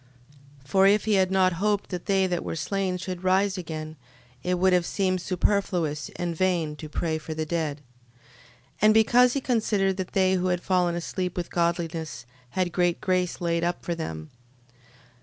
12:44. (For if he had not hoped that they that were slain should rise again, it would have seemed superfluous and vain to pray for the dead,) 12:45. And because he considered that they who had fallen asleep with godliness, had great grace laid up for them.